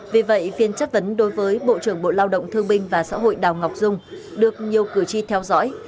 vì vậy phiên chất vấn đối với bộ trưởng bộ lao động thương binh và xã hội đào ngọc dung được nhiều cử tri theo dõi